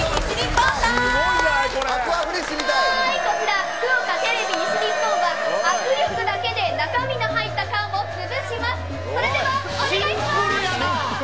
こちら福岡テレビ西日本は握力だけで中身が入った缶を潰します、お願いします。